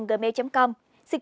xin kính chào tạm biệt